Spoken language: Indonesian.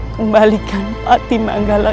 kembalikan pati manggala